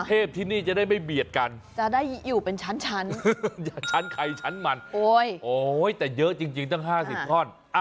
เทียบที่นี่จะได้ไม่เบียดกันจะได้อยู่เป็นชั้นชั้นไข่ชั้นหมันโอ้ยโอ้ยแต่เยอะจริงตั้ง๕๐ท่อน